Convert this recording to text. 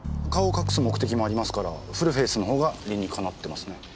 顔を隠す目的もありますからフルフェースのほうが理にかなってますね。